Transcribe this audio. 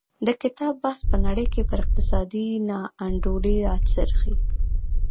د کتاب بحث په نړۍ کې پر اقتصادي نا انډولۍ راڅرخي.